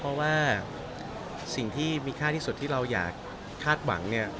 เพราะว่าสิ่งที่มีค่าที่สุดที่เราอยากคาดหวังเนี่ย